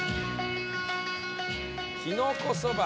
「きのこそば！